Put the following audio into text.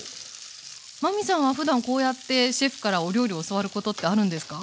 真海さんはふだんこうやってシェフからお料理を教わることってあるんですか？